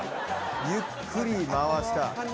ゆっくり回した。